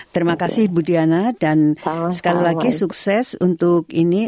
terima kasih ibu diana dan sekali lagi sukses untuk ini